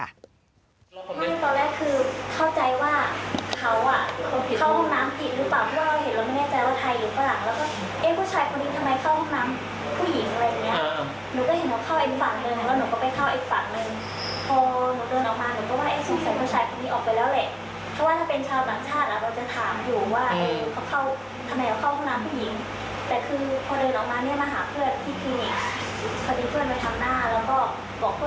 แผงน้ำนี่ไงตอนนี้คายหนีเขาได้ทำหน้าแล้วก็ก็เพิ่มไม่ได้เห็นผู้ชาย